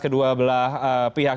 kedua belah pihak terima kasih